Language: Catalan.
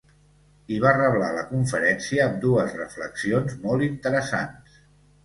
I va reblar la conferència amb dues reflexions molt interessants.